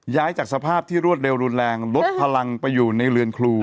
ย้ายจากสภาพที่รวดเร็วรุนแรงลดพลังไปอยู่ในเรือนครู